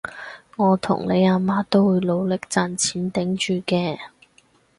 我同你阿媽都會努力賺錢頂住嘅